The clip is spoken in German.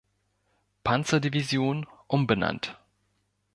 Panzerdivision umbenannt.